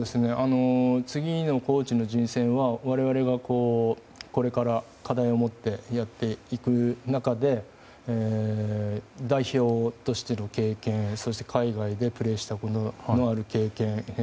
次のコーチの人選は我々がこれから課題を持ってやっていく中で代表としての経験海外でプレーした経験